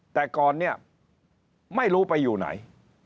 แต่ก่อนเนี่ยไม่รู้ไปอยู่ไหน